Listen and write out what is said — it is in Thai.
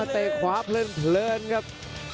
เตะขวาเพลินครับ